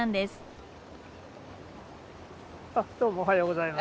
あっどうもおはようございます。